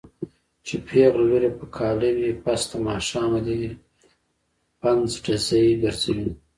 چې پېغله لور يې په کاله وي پس د ماښامه دې پنځډزی ګرځوينه